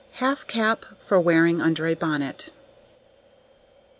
Half Cap for Wearing under a Bonnet.